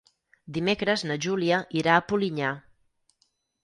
Dimecres na Júlia irà a Polinyà.